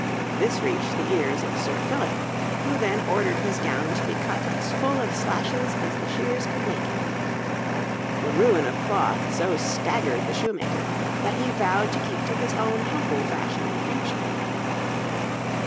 This reached the ears of Sir Philip, who then ordered his gown to be cut as full of slashes as the shears could make it. The ruin of cloth so staggered the shoemaker that he vowed to keep to his own humble fashion in future.